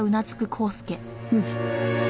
うん。